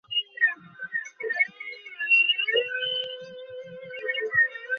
না, কিন্তু আমার তাছাড়া অন্য কোন উপায় নেই।